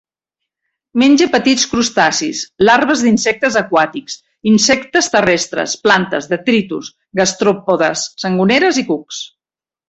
Menja petits crustacis, larves d'insectes aquàtics, insectes terrestres, plantes, detritus, gastròpodes, sangoneres i cucs.